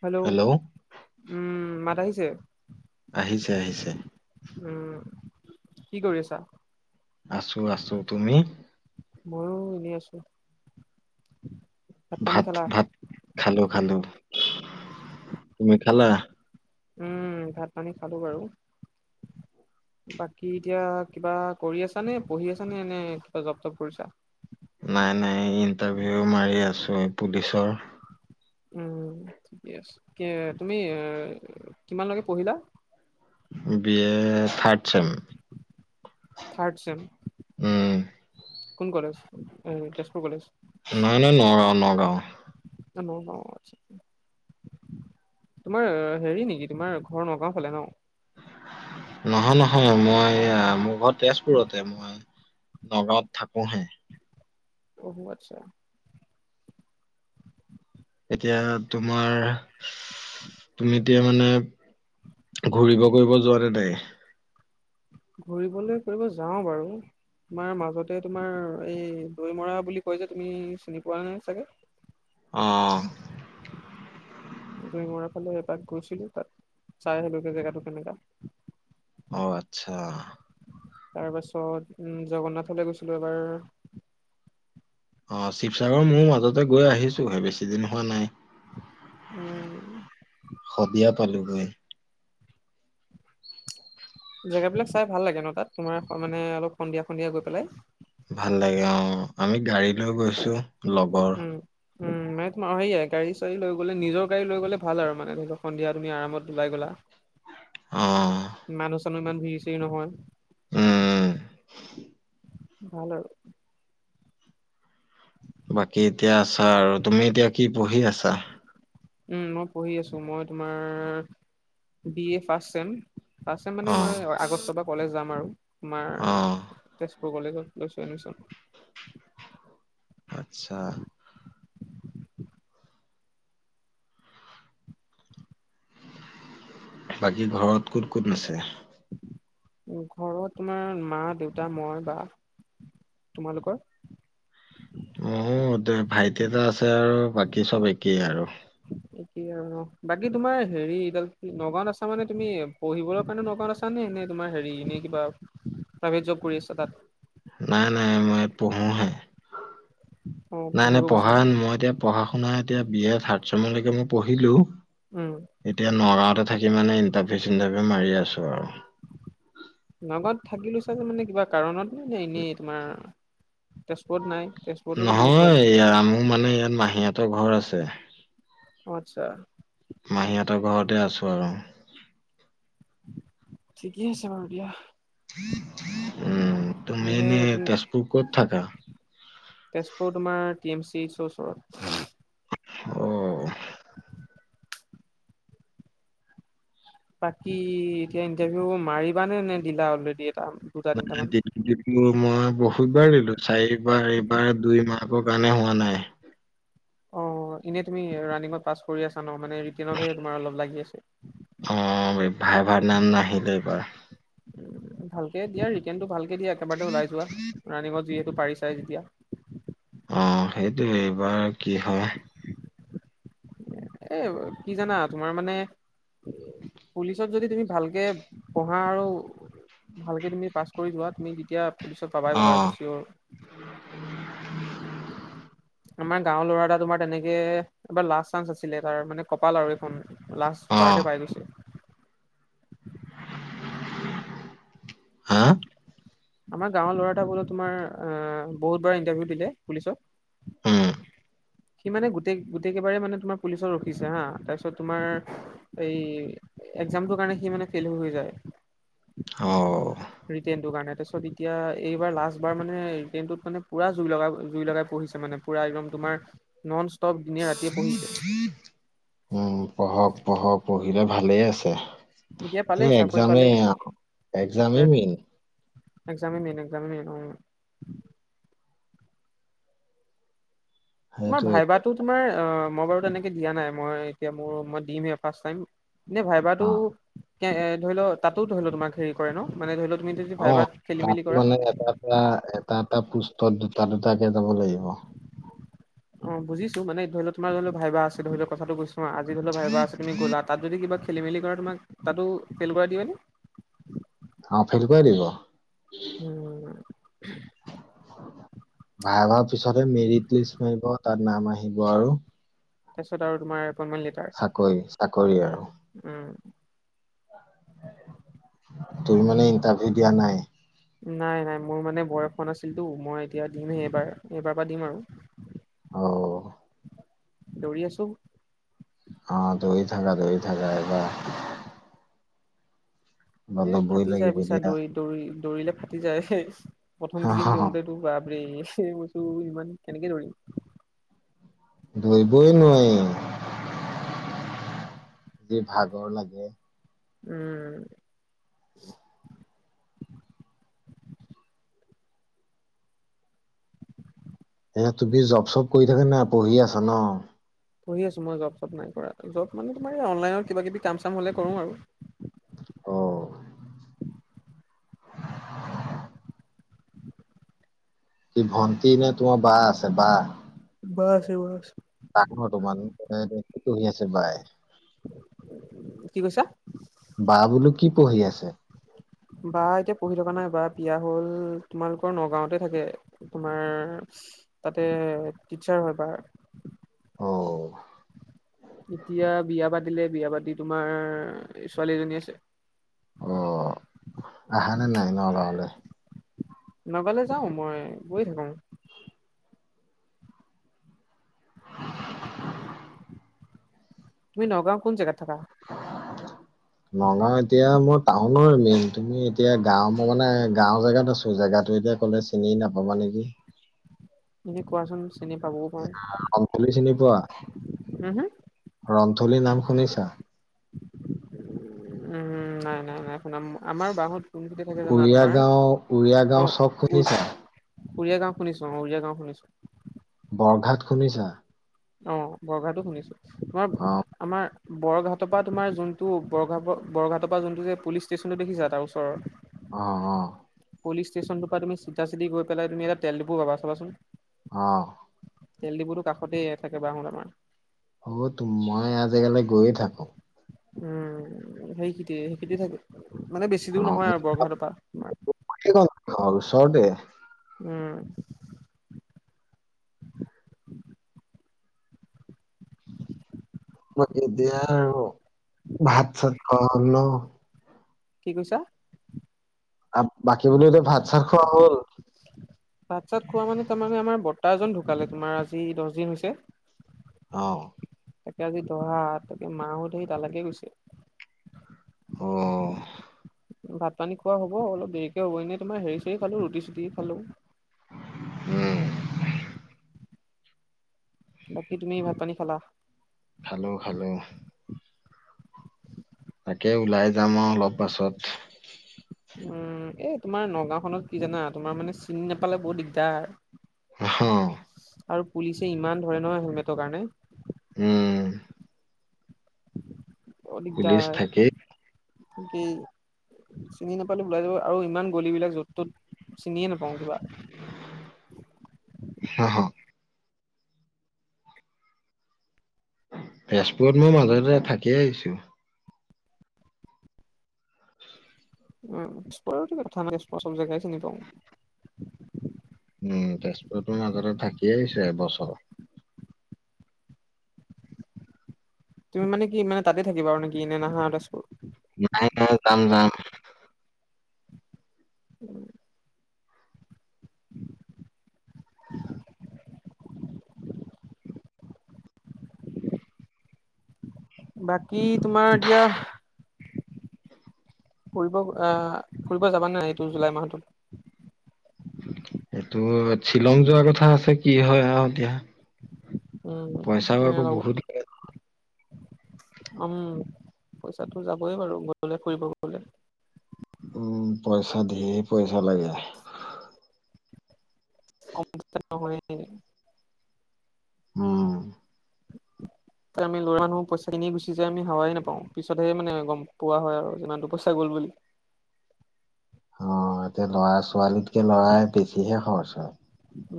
Hello, hello উম, মাত আহিছে? আহিছে, আহিছে। উম, কি কৰি আছা? আছো, আছো। তুমি? ময়ো এনে আছো। পানী ভাত খালা ভাত খালো, খালো। তুমি খালা? উম, ভাত-পানী খালো বাৰু। বাকী এতিয়া কিবা কৰি আছা নে? পঢ়ি আছা নে নে কিবা জব-তপ কৰিছা? নাই, নাই ইণ্টাৰভিউ মাৰি আছো এই পুলিচৰ। উম, ঠিকেই আছে। এ তুমি এ কিমানলৈকে পঢ়িলা? B A third sem. Third sem? উম। কোন কলেজ? এ তেজপুৰ কলেজ? নাই, নাই নগাঁও নগাঁও। নগাঁও আটছা। তোমাৰ হেৰি নেকি? তোমাৰ ঘৰ নগাঁও ফালে ন? নহয়, নহয়। মই এইয়া মোৰ ঘৰ তেজপুৰতে। মই নগাঁৱত থাকো হে। অ, আচ্ছা। এতিয়া তোমাৰ তুমি এতিয়া মানে ঘূৰিব কৰিব যোৱা নে নাই? ঘূৰিবলে কৰিব যাও বাৰু। তোমাৰ মাজতে তোমাৰ এই দৈ মৰা বুলি কয় যে তুমি চিনি পোৱা নে চাগে? [inaudible] অ, দুই মৰা ফালে এবাক গৈছিলো তাত চাই আহিলো জেগাটো কেনেকা। অ, আচ্ছা। তাৰ পাছত উম, জগন্নাথলৈ গৈছিলো এবাৰ। অ, শিৱসাগৰ মোৰ মাজতে গৈ আহিছোহে বেছি দিন হোৱা নাই। উম, শদিয়া পালোগৈ। জেগাবিলাক চাই ভাল লাগে ন তাত তোমাৰ মানে অলপ সন্ধিয়া সন্ধিয়া গৈ পেলাই। ভাল লাগে অ আমি গাড়ী লৈ গৈছো লগৰ। উম উম, মে তমাৰে গাড়ী চাৰি লৈ গলে নিজৰ গাড়ী লৈ গলে ভাল আৰু মানে ধৰি লক সন্ধিয়া তুমি আৰামত ওলাই গলা। অ মানুহ চানুহ ইমান ভিৰ চিৰ নহয়। উম উম, ভাল আৰু বাকী এতিয়া আছা আৰু তুমি এতিয়া কি পঢ়ি আছা। উম, মই পঢ়ি আছো মই তোমাৰ B A first sem. First sem মানে অ মই আগষ্টৰ পৰা কলেজ যাম আৰু তোমাৰ অ তেজপুৰ কলেজত লৈছো এডমিশন। আচ্ছা। বাকী ঘৰত কোন কোন আছে। মোৰ ঘৰত তোমাৰ মা দেউতা মই বা। তোমালোকৰ? অ দু ভাইটি এটা আছে আৰু বাকী চব একেই আৰু এতিয়া বাকী তোমাৰ হেৰি এডাল নগাঁওত আছা মানে তুমি পঢ়িবলৈ কাৰণে নগাঁওত আছা। মানে এনেই তোমাৰ হেৰি এনে কিবা প্ৰাইভেট জব কৰি আছা তাত। নাই নাই মই ইয়াত পঢ়োহে অ নাই নাই পঢ়িব গৈছা পঢ়া ন মই এতিয়া। পঢ়া শুনা এতিয়া বিয়ে থাৰ্ড চেমলৈকে মই পঢ়িলো। উম। এতিয়া নগাঁওতে থাকি মানে ইণ্টাৰভিউ চিণ্টাৰভিউ মাৰি আছো আৰু নগাঁওত থাকিলো ছাগে মানে কিবা কাৰণত ন নে এনেই তোমাৰ তেজপুৰত নাই। তেজপুৰতোতো বহুত পোৱালি নহয় মোৰ মানে ইয়াত মাহীতৰ ঘৰ আছে। আচ্ছা। মাহীহঁতৰ ঘৰতে আছো আৰু ঠিকেই আছে বাৰু দিয়া। উম, তুমি মানে এনেই এটো, তেজপুৰ ক'ত থাকা? তেজপুৰ তোমাৰ টি এম চিএচৰ ওচৰত। উম, [inaudible] বাকী এতিয়া ইণ্টাৰভিউ মাৰিবানে নে দিলা অলৰেডি এটা। দুটা তিনিটামান [unintelligible] যিটো মই বহুতবাৰ দিলো চাৰিবাৰ এইবাৰ দুই মাহৰ কাৰণে হোৱা নাই। অ এনেই তুমি ৰানিঙত পাছ কৰি আছা ন মানে ৰিটনতে তোমাৰ অলপ লাগি আছে। অ ভাই ভাৰ নাম নাহিলে এইবাৰ। ভালকে দিয়া ৰিটেন টো ভালকে দিয়া একেবাৰে ওলাই যোৱা ৰাণিঙত যিহেতু পাৰি চাই যেতিয়া। অ সেইটোয়ে এইবাৰ কি, হয়। এ কি জানা তোমাৰ মানে পুলিচত যদি তুমি। ভালকে পঢ়া আৰু ভালকে তুমি পাছ কৰি যোৱা তুমি যেতিয়া। পুলিচত পাবাই পাবা অ', এইটো চিয়ৰ। আমাৰ গাওৰ ল'ৰা এটা তোমাৰ তেনেকে এবাৰ লাষ্ট চানস আছি লে তাৰ মানে কপাল আৰু এইখন লাষ্ট অ', বাৰডে পাই গৈছে। হা? আমাৰ গাঁৱৰ ল'ৰা এটা বোলে তোমাৰ বহুত বাৰ ইণ্টাৰভিউ দিলে পুলিচত। উম, সি মানে গোটেই গোটেইকেবাৰে মানে তোমাৰ পুলিচত ৰখিছে হা তাৰপিছত তোমাৰ। এই একজামটোৰ কাৰণে সি মানে ফেইল হৈ হৈ যায়। অঁহ। ৰিটেণটোৰ কাৰণে তাৰপিছত এতিয়া এইবাৰ লাষ্ট বাৰ মানে ৰিটেণটোত মানে পুৰা জুই লগ জুই লগাই পঢহিছে মানে। পুৰা একদম তোমাৰ নন ষ্টপ দিনে ৰাতিয়ে পঢ়িছে। উম পঢ়ক পঢ়ক পঢ়িলে ভালে আছে। এতিয়া পালে সেই চাকৰি পালে একজামেয় একজামে main. Exam main exam main অ তোমাৰ সেইটোৱে ভাইবাটো তোমাৰ মই বাৰু তেনেকে দিয়া নাই মই এতিয়া মোৰ মই দিম হে ফাষ্ট টাইম। নে ভাইবাটো অ'। এ এ ধৰি ল তাতো ধৰি ল তোমাক হেৰি। কৰে ন মানে ধৰি লও তুমি যদি ভাইবাট খেলি মেলি কৰা। এয়া এটা এটা পুষ্টত দুটা দুটাকে যাব লাগিব। অ বুজিছো মান ধৰি লও তোমাৰ ধৰি ল ভাইবাৰ আছে ধৰি লও কথাটো কৈছো অ আজি ধৰি লওক ভবা আছে তুমি গ'লা তাত যদি কিবা খেলি মেলি কৰা তোমাক তাতো ফেল কৰাই দিয়ে নে। অ ফেল কৰাই দিব। উম। ভাইবাৰৰ পিছতহে মেৰিট লিষ্ট মাৰিব তাত নাম আহিব আৰু। তাৰপিছত আৰু তোমাৰ এপইনমেন্ট লেট চাকই চাকৰি আৰু। উম। তুমি মানে ইণ্টাৰভিউ দিয়া নাই। নাই নাই মোৰ মানে বয়স হোৱা নাছিলটো, মই এতিয়া দিমহে এইবাৰ এইবাৰ পৰা দিম আৰু। অ দৌৰি আছো। অ দৌৰি থাকা দৌৰি থাকা এইবাৰ এইবাৰ এ ল'বই ফাটি যায় লাগিব বুজিছা দিয়া দৌৰি দৌৰি দৌৰিলে ফাটি যায় প্ৰথম কেইদিন দৌৰোতে দুবাব ব্ৰে মই কৈছো ইমান কেনেকে দৌৰিম ধৰিবই নোৱাৰি। যি ভাগৰ লাগে। উম। এয়া তুমি জব চব কৰি থাকা না পঢ়ি আছা ন। পঢ়ি আছো মই জব চব নাই কৰা জব মানে তোমাৰ অনলাইনত কিবা কিবি কাম চাম হ'লে কৰো আৰু। অ'। কি ভন্টি নে তোমাৰ বা আছে বা। বা বা আছে। তাকনো তোমালেকে কি পঢ়ি আছে বাই। [unintelligible] কি কৈছা? বা বোলো কি পঢ়ি আছে? বা এতিয়া পঢ়ি থকা নাই বা বিয়া হল, তোমালোকৰ নগাঁওতে থাকে। তোমাৰ তাতে টিচাৰ হয় বা। অ এতিয়া বিয়া পাতিলে বিয়া পাতি তোমাৰ ছোৱালী এজনী আছে। অ আহা নে নাই নগাওঁ‌ লে নগাওঁলে যাওঁ মই গৈ থাকো। তুমি নগাওঁ কোন জাগাত থাকা? নগাওঁ এতিয়া মই টাউ নৰ মেইন তুমি এতিয়া গাঁও মই মানে গাওঁ জেগাত আছো জেগাটো এতিয়া কলে চিনি নাপাবা নেকি। এনেই কোৱাচোন চিনি পাবও পাওঁ। আমখুলি চিনি পোৱা? হো হো ৰন্থলী নাম শুনিছা? উম নাই নাই নাই শুনাম আমাৰ বা হত তুমি যদি থাকে জানা উৰিয়া তোমাৰ, গাঁও উৰিয়া গাঁও অ' চক উ শুনিছা? উৰিয়া গাওঁ শুনিছো অ' উৰিয়া গাওঁ শুনিছো। বৰঘাট শুনিছা? অ' বৰঘাত শুনিছো। অ' তোমাৰ আমাৰ বৰঘাটৰ পৰা তোমাৰ যোনটো বৰ বৰঘাটৰ পৰা যোনটো যে পুলিচ ষ্টেচনটো দেখিছা, তাৰ ওচৰৰ? অ' অ'। পুলিচ ষ্টেচনটো পৰা তুমি চিধা চি গৈ পেলাই তুমি এটা তেল দীপু পাবা চাবাচোন। অ'। তেল দিপুটোৰ কাষতেই থাকে বা হত আমাৰ। অ' টো, মই এয়া জেগালে গৈয়ে থাকো। উম সেইখিনি সেইখিনিতে থাকে। মানে বেছি অ' দূৰ নহয় মোৰ আৰু বৰঘাটৰ পৰা, [unintelligible] সেইকণ ঘৰ ওচৰতে। উম। বৰ দিগদাৰ আৰু, ভাত চাত খোৱা হল ন? কি কৈছা? বাকি বোলো এতিয়া ভাত চাত খোৱা হ'ল? ভাত চাত খোৱা মানে তাৰমানে আমাৰ বৰ্তা এজন ঢুকালে, তোমাৰ আজি দহ দিন হৈছে। অ'হ। তাকে আজি দহ, তাকে মাঁ তালাকে গৈছে। অ'হ। ভাত পানী খোৱা হ'ব, অলপ দেৰিকে হব এনেই তোমাৰ হেৰি চেৰি খালো, ৰুটি চুটি খালোঁ। উম। বাকী তুমি ভাত পানী খালা? খালোঁ খালোঁ। তাকে ওলাই যাম আৰু অলপ পাছত। উম, এই তোমাৰ নগাঁওখনত কি জানা, তোমাৰ মানে চিনি নোপালে বহুত দিগদাৰ। [unintelligible] আৰু পুলিচে ইমান ধৰে নহয়, হেলমেটৰ কাৰণে। উম। বৰ পুলিচ দিগদাৰ। থাকেই কি, চিনি নাপালে ওলাই যাব, আৰু ইমান গলিবিলাক য'ত ত'ত। চিনিয়ে নাপাওঁ কিবা। অ, হ। তেজপুৰত মই মাজতে থাকি আহিছোঁ। উম, তেজপুৰ বুলি কথা নাই চব জাগাই চিনি পাওঁ। উম, তেজপুৰত মই মাজতে থাকি আহিছোঁ এবছৰ। তুমি মানে কি মানে তাতে থাকিবা আৰু নেকি নে নাহা আৰু তেজপুৰ? নাই নাই, যাম যাম। [unintelligible] বাকী তোমাৰ এতিয়া ফুৰিব আ ফুৰিব যাবা নাই এইটো জুলাই মাহটোত? এইটো শ্বিলং যোৱা কথা আছে কি হয় আৰু‌ এতিয়া। উম, পইচাও এনেই আকৌ লগ বহুত উম, পইচাটো যাবই বাৰু ফুৰিব গলে। উম, পইচা ধেৰ পইচা লাগে। কম পইচাত নহয়গে। উম। [inaudible] আমি ল'ৰা মানুহ পইচা কেনি গুচি যায় আমি হাৱাই নাপাওঁ পিছতহে মানে গম পোৱা হয় আৰু যিমানটো পইচা গ'ল বুলি। অ এতিয়া ল'ৰা ছোৱালীতকে লৰাই বেছিহে খৰচ হয়।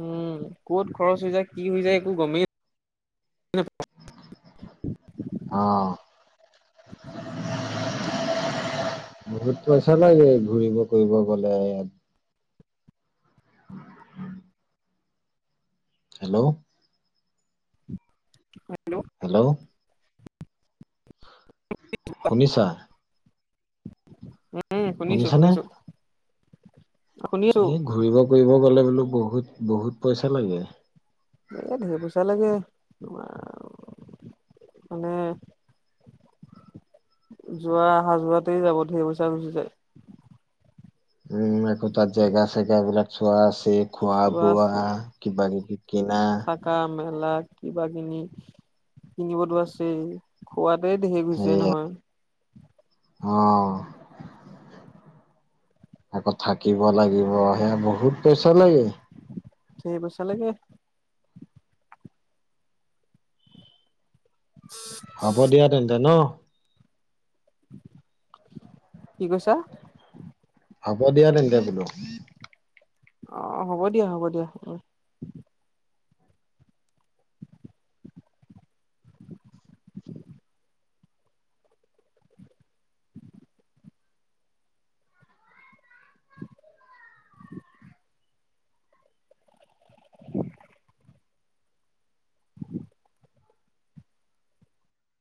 উম, ক'ত খৰচ হৈ যায় কি হৈ যায় একো গমেই অ। বহুত পইচা লাগে ঘূৰিব কৰিব গ'লে। [inaudible] হেল্ল'! হেল্ল'! হেল্ল'! শুনিছা? উম, শুনিছোঁ শুনিছানে শুনিছোঁ। এই ঘূৰিব ফুৰিব গ'লে বোলো বহুত - বহুত পইচা লাগে। এ ঢেৰ পইচা লাগে তোমাৰ মানে যোৱা আহা যোৱাতেই যাব ধেৰ পইচা গুচি যায়। উম, একো তাত‌ জেগা চেগা এইবিলাক চোৱা আছেই। খোৱা চোৱা বোৱা কিবা কিবি কিনা। থকা মেলা কিবা কিনি কিনিবতো আছেই। খোৱাতেই ধেৰ গুছি যায় সেয়া নহয়। অ। [inaudible] আকৌ থাকিব লাগিব, সেয়া বহুত পইচা লাগে। ধেই পই চা লাগে। [inaudible] হ'ব দিয়া তেন্তে ন। কি কৈছা? হ'ব দিয়া তেন্তে বোলো। অ', ‌‌ হ'ব দিয়া, হ'ব দিয়া। [unintelligible] [inaudible]